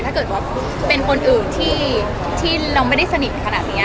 ถ้าเกิดว่าเป็นคนอื่นที่เราไม่ได้สนิทขนาดนี้